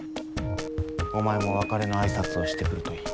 お前も別れの挨拶をしてくるといい。